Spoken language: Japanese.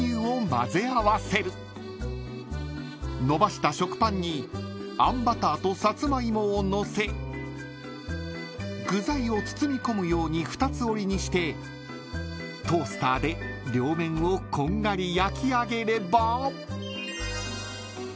［のばした食パンにあんバターとサツマイモを載せ具材を包み込むように二つ折りにしてトースターで両面をこんがり焼き上げれば］